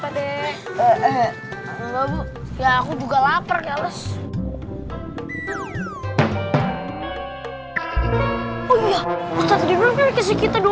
udah lagi muntah